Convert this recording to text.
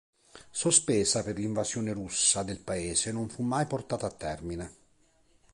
Sospesa per l’invasione russa del paese, non fu mai portata a termine.